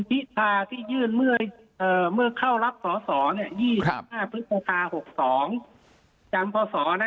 พิษาที่ยื่นเมื่อเมื่อเข้ารับศศเนี่ย๒๕พศ๖๒จำพศนะ